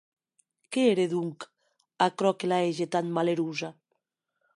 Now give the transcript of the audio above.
Qué ère, donc, aquerò que la hège tan malerosa?